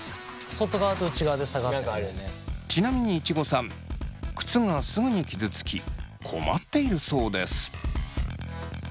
ちなみにいちごさん靴がすぐに傷つき困っているそうです。